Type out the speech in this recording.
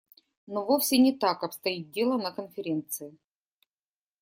Но вовсе не так обстоит дело на Конференции.